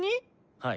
はい。